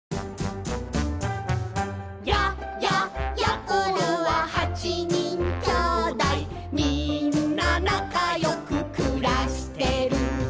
「や、や、やころははちにんきょうだい」「みんななかよくくらしてる」